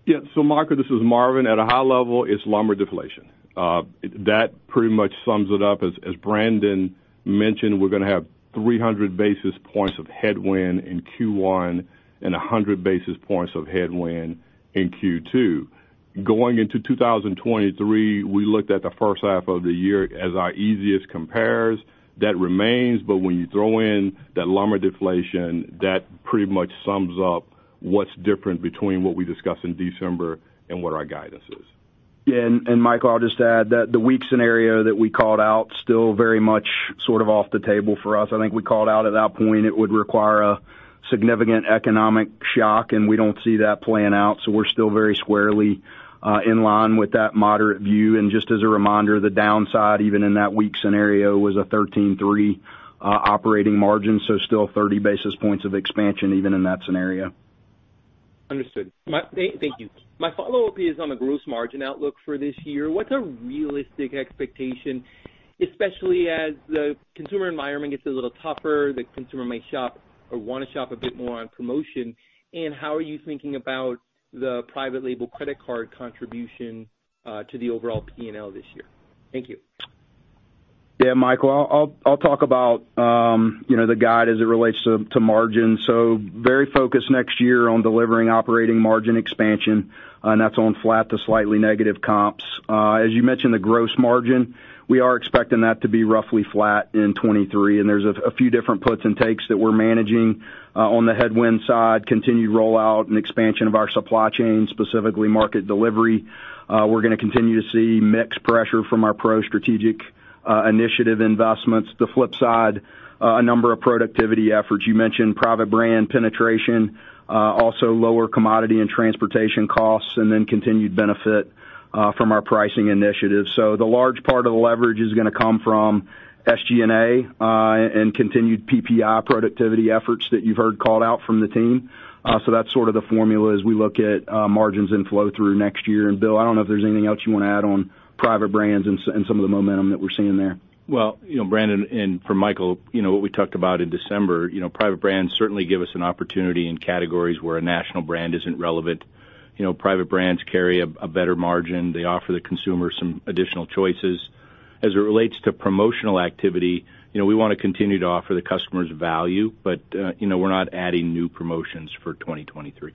follow-up. Michael, this is Marvin. At a high level, it's lumber deflation. That pretty much sums it up. As Brandon mentioned, we're going to have 300 basis points of headwind in Q1 and 100 basis points of headwind in Q2. Going into 2023, we looked at the first half of the year as our easiest compares. That remains, when you throw in that lumber deflation, that pretty much sums up what's different between what we discussed in December and what our guidance is. Yeah, Michael, I'll just add that the weak scenario that we called out still very much sort of off the table for us. I think we called out at that point it would require a significant economic shock, and we don't see that playing out. We're still very squarely in line with that moderate view. Just as a reminder, the downside, even in that weak scenario, was a 13.3% operating margin, so still 30 basis points of expansion even in that scenario. Understood. Thank you. My follow-up is on the gross margin outlook for this year. What's a realistic expectation, especially as the consumer environment gets a little tougher, the consumer may shop or wanna shop a bit more on promotion, how are you thinking about the private label credit card contribution to the overall P&L this year? Thank you. Yeah, Michael, I'll talk about, you know, the guide as it relates to margin. Very focused next year on delivering operating margin expansion, and that's on flat to slightly negative comps. As you mentioned, the gross margin, we are expecting that to be roughly flat in 23, and there's a few different puts and takes that we're managing. On the headwind side, continued rollout and expansion of our supply chain, specifically market delivery. We're gonna continue to see mix pressure from our Pro strategic initiative investments. The flip side, a number of productivity efforts. You mentioned private brand penetration, also lower commodity and transportation costs and then continued benefit from our pricing initiatives. The large part of the leverage is gonna come from SG&A, and continued PPI productivity efforts that you've heard called out from the team. That's sort of the formula as we look at margins and flow through next year. Bill, I don't know if there's anything else you wanna add on private brands and some of the momentum that we're seeing there. Well, you know, Brandon Sink, and for Michael Lasser, you know, what we talked about in December, you know, private brands certainly give us an opportunity in categories where a national brand isn't relevant. You know, private brands carry a better margin. They offer the consumer some additional choices. As it relates to promotional activity, you know, we wanna continue to offer the customers value, but, you know, we're not adding new promotions for 2023.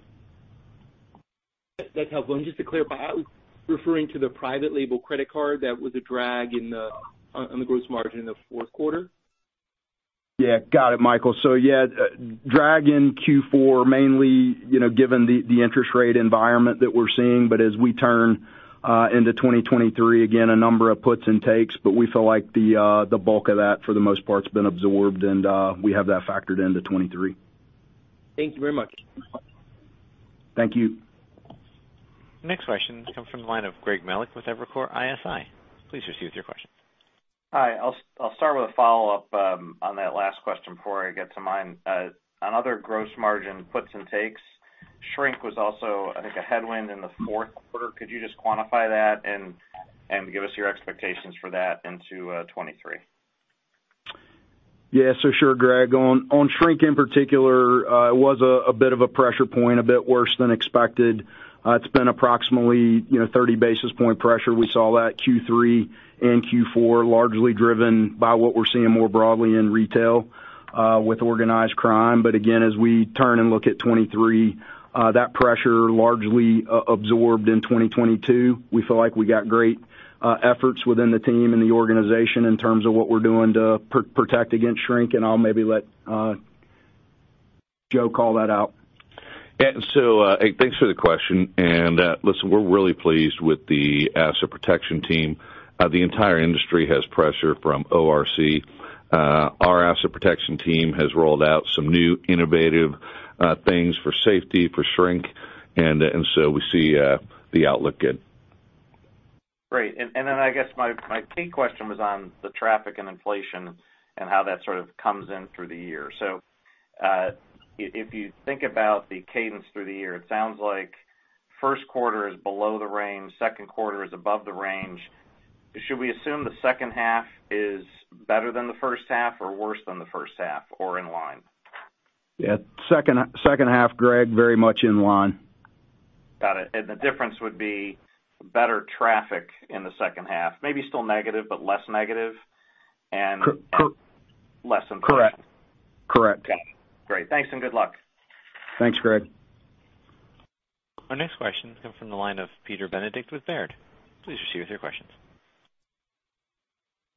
That's helpful. Just to clarify, I was referring to the private label credit card that was a drag on the gross margin in the fourth quarter? Yeah. Got it, Michael. Drag in Q4 mainly, you know, given the interest rate environment that we're seeing. As we turn into 2023, again, a number of puts and takes, but we feel like the bulk of that for the most part has been absorbed and we have that factored into 23. Thank you very much. Thank you. Next question comes from the line of Greg Melich with Evercore ISI. Please proceed with your question. Hi. I'll start with a follow-up on that last question before I get to mine. Another gross margin puts and takes, shrink was also I think a headwind in the fourth quarter. Could you just quantify that and give us your expectations for that into 23? Sure, Greg. On, on shrink in particular, it was a bit of a pressure point, a bit worse than expected. It's been approximately, you know, 30 basis point pressure. We saw that Q3 and Q4, largely driven by what we're seeing more broadly in retail, with organized crime. Again, as we turn and look at 2023, that pressure largely absorbed in 2022. We feel like we got great efforts within the team and the organization in terms of what we're doing to protect against shrink, and I'll maybe let Joe call that out. Thanks for the question. Listen, we're really pleased with the asset protection team. The entire industry has pressure from ORC. Our asset protection team has rolled out some new innovative things for safety, for shrink and so we see the outlook good. Great. Then I guess my key question was on the traffic and inflation and how that sort of comes in through the year. If you think about the cadence through the year, it sounds like first quarter is below the range, second quarter is above the range. Should we assume the second half is better than the first half or worse than the first half or in line? Yeah. Second half, Greg, very much in line. Got it. The difference would be better traffic in the second half, maybe still negative, but less negative and- Less inflation. Correct. Correct. Got it. Great. Thanks and good luck. Thanks, Greg. Our next question comes from the line of Peter Benedict with Baird. Please proceed with your questions.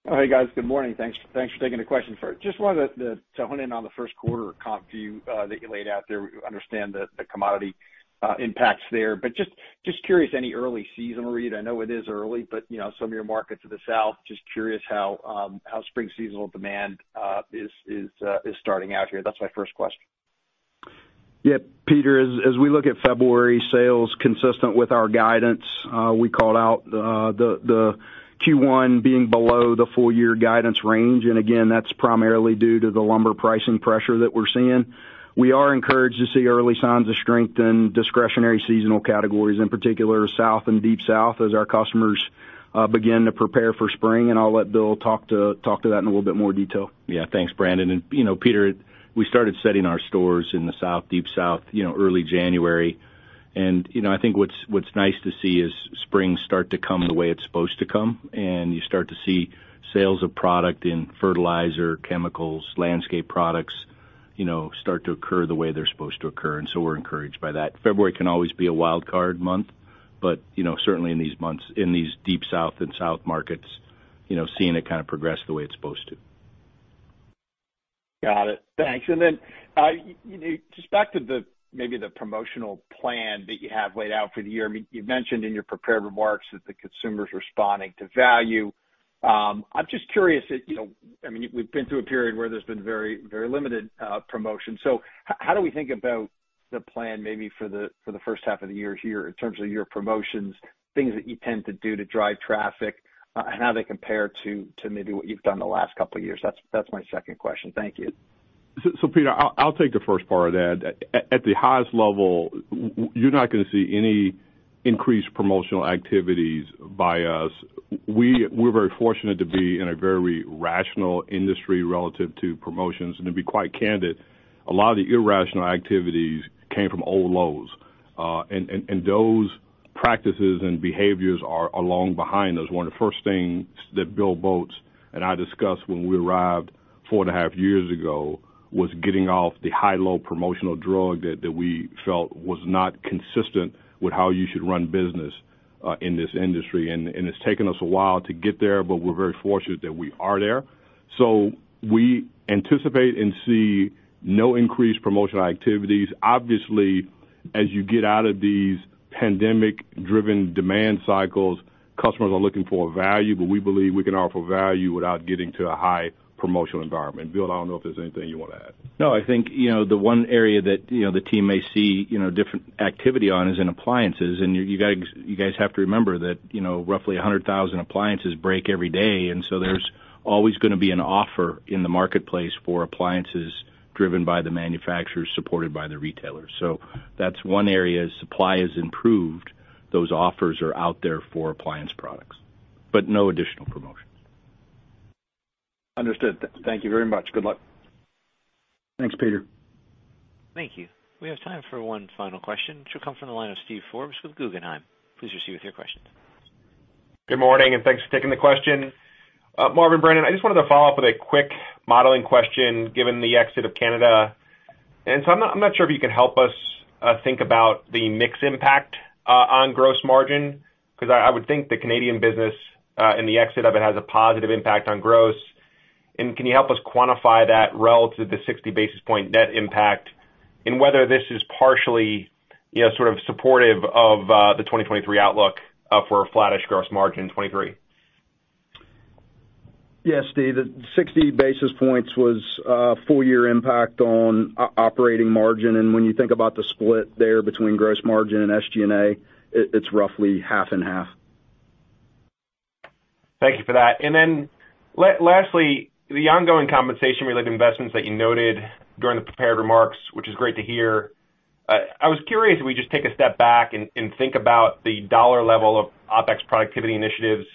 Hey, guys. Good morning. Thanks for taking the question. First, just wanted to hone in on the first quarter comp view that you laid out there. We understand the commodity impacts there. Just curious, any early season read? I know it is early, but, you know, some of your markets in the South, just curious how spring seasonal demand is starting out here. That's my first question. Peter, as we look at February sales consistent with our guidance, we called out the Q1 being below the full year guidance range, again, that's primarily due to the lumber pricing pressure that we're seeing. We are encouraged to see early signs of strength in discretionary seasonal categories, in particular South and Deep South as our customers begin to prepare for spring, I'll let Bill talk to that in a little bit more detail. Yeah. Thanks, Brandon. You know, Peter, we started setting our stores in the South, Deep South, you know, early January. You know, I think what's nice to see is spring start to come the way it's supposed to come, and you start to see sales of product in fertilizer, chemicals, landscape products, you know, start to occur the way they're supposed to occur, we're encouraged by that. February can always be a wild card month, you know, certainly in these months, in these Deep South and South markets, you know, seeing it kind of progress the way it's supposed to. Got it. Thanks. Then, you know, just back to the, maybe the promotional plan that you have laid out for the year. I mean, you've mentioned in your prepared remarks that the consumer's responding to value. I'm just curious if, you know, I mean, we've been through a period where there's been very, very limited, promotion. How do we think about the plan maybe for the first half of the year here in terms of your promotions, things that you tend to do to drive traffic, and how they compare to maybe what you've done the last couple of years? That's my second question. Thank you. So Peter, I'll take the first part of that. At the highest level, we're not gonna see any increased promotional activities by us. We're very fortunate to be in a very rational industry relative to promotions. To be quite candid, a lot of the irrational activities came from old Lowe's, and those practices and behaviors are long behind us. One of the first things that Bill Boltz and I discussed when we arrived four and a half years ago was getting off the high-low promotional drug that we felt was not consistent with how you should run business in this industry. It's taken us a while to get there, but we're very fortunate that we are there. We anticipate and see no increased promotional activities. Obviously, as you get out of these pandemic-driven demand cycles, customers are looking for value, but we believe we can offer value without getting to a high promotional environment. Bill, I don't know if there's anything you wanna add. No, I think, you know, the one area that, you know, the team may see, you know, different activity on is in appliances. You guys have to remember that, you know, roughly 100,000 appliances break every day. There's always going to be an offer in the marketplace for appliances driven by the manufacturers, supported by the retailers. That's one area. Supply has improved. Those offers are out there for appliance products, but no additional promotions. Understood. Thank you very much. Good luck. Thanks, Peter. Thank you. We have time for one final question, which will come from the line of Steven Forbes with Guggenheim. Please proceed with your question. Good morning, and thanks for taking the question. Marvin, Brandon, I just wanted to follow up with a quick modeling question, given the exit of Canada. I'm not sure if you can help us think about the mix impact on gross margin, cause I would think the Canadian business and the exit of it has a positive impact on gross. Can you help us quantify that relative to 60 basis point net impact, and whether this is partially, you know, sort of supportive of the 2023 outlook for a flattish gross margin in 2023? Yeah, Steve, the 60 basis points was a full year impact on operating margin. When you think about the split there between gross margin and SG&A, it's roughly half-and-half. Thank you for that. Lastly, the ongoing compensation-related investments that you noted during the prepared remarks, which is great to hear, I was curious if we just take a step back and think about the dollar level of OpEx productivity initiatives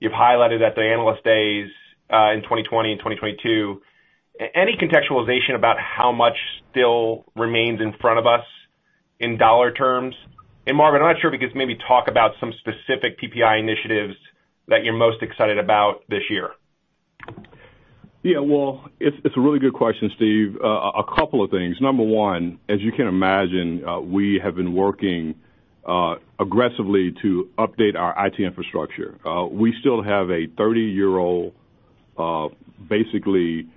you've highlighted at the Analyst Days in 2020 and 2022. Any contextualization about how much still remains in front of us in dollar terms? Marvin, I'm not sure if you could maybe talk about some specific PPI initiatives that you're most excited about this year. Well, it's a really good question, Steve. A couple of things. Number one, as you can imagine, we have been working aggressively to update our IT infrastructure. We still have a 30-year-old, basically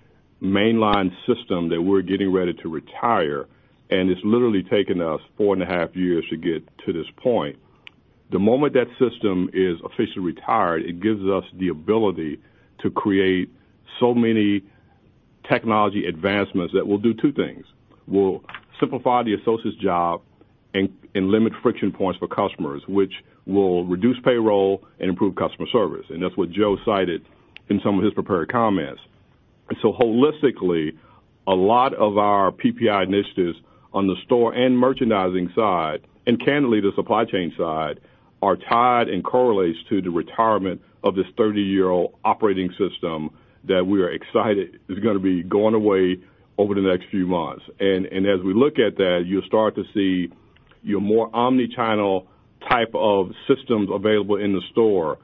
mainline system that we're getting ready to retire, and it's literally taken us 4.5 years to get to this point. The moment that system is officially retired, it gives us the ability to create so many technology advancements that will do 2 things: will simplify the associate's job and limit friction points for customers, which will reduce payroll and improve customer service. That's what Joe cited in some of his prepared comments. Holistically, a lot of our PPI initiatives on the store and merchandising side, and candidly the supply chain side, are tied and correlates to the retirement of this 30-year-old operating system that we are excited is gonna be going away over the next few months. As we look at that, you'll start to see your more omnichannel type of systems available in the store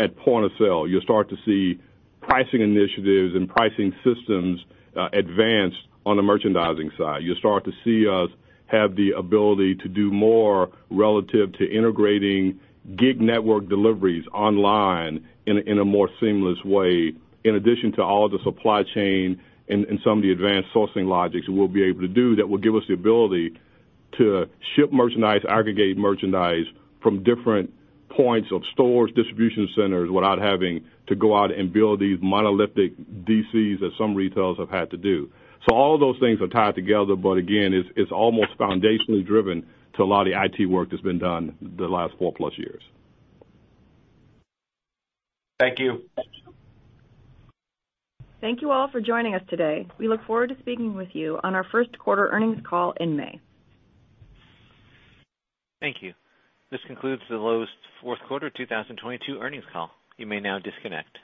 at point of sale. You'll start to see pricing initiatives and pricing systems advance on the merchandising side. You'll start to see us have the ability to do more relative to integrating gig network deliveries online in a more seamless way, in addition to all of the supply chain and some of the advanced sourcing logics we'll be able to do that will give us the ability to ship merchandise, aggregate merchandise from different points of stores, distribution centers, without having to go out and build these monolithic DCs that some retailers have had to do. All of those things are tied together, again, it's almost foundationally driven to a lot of the IT work that's been done the last 4+ years. Thank you. Thank you all for joining us today. We look forward to speaking with you on our 1st quarter earnings call in May. Thank you. This concludes the Lowe's 4th quarter 2022 earnings call. You may now disconnect.